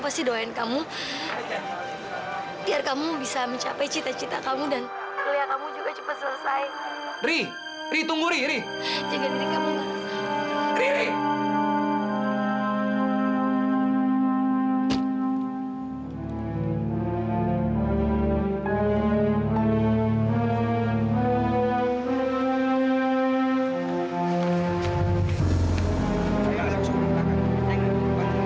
pasti dia ikut kita ke tempat yang lebihalu juga